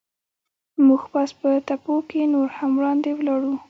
موږ پاس په تپو کې نور هم وړاندې ولاړو.